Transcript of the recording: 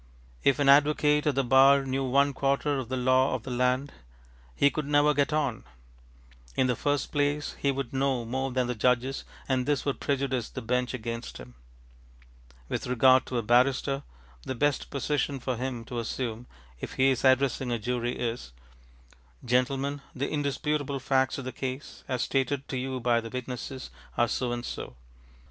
If an advocate at the bar knew one quarter of the law of the land, he could never get on. In the first place, he would know more than the judges, and this would prejudice the bench against him. With regard to a barrister, the best position for him to assume, if he is addressing a jury, is, ŌĆ£Gentlemen, the indisputable facts of the case, as stated to you by the witnesses, are so and so.